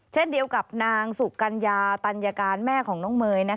เช่นเดียวกับนางสุกัญญาตัญญาการแม่ของน้องเมย์